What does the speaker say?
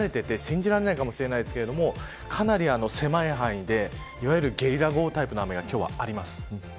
結構今は晴れていて信じられないかもしれませんがかなり狭い範囲でいわゆるゲリラ豪雨タイプの雨があります。